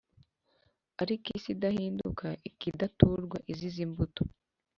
Ariko isi izahinduka ikidaturwa izize imbuto